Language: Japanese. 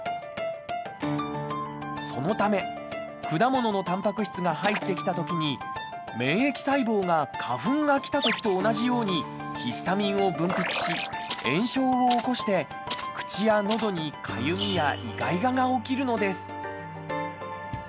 そのため、果物のたんぱく質が入ってきたときに免疫細胞が花粉がきたときと同じようにヒスタミンを分泌し炎症を起こして、口やのどにかゆみやいがいがが起きるのです。